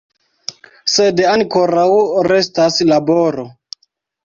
Sed ankoraŭ restas laboro.